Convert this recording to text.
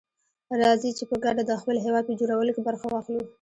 راځي چي په ګډه دخپل هيواد په جوړولو کي برخه واخلو.